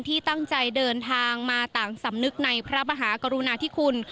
ที่ตั้งใจเดินทางมาต่างสำนึกในพระมหากรุณาธิคุณ